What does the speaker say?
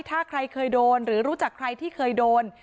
ถ้าใครเคยโดนหรือรู้จักใครที่เคยโดน